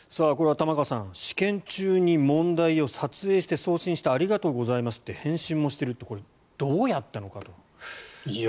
玉川さん試験中に問題を撮影して送信してありがとうございますと返信もしているってどうやったのかと。